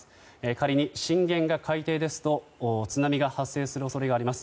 仮に震源が海底ですと津波が発生する恐れがあります。